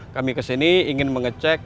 kami kesini ingin mengecek